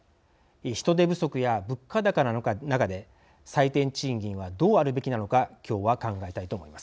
人手不足や物価高の中で最低賃金はどうあるべきなのか今日は考えたいと思います。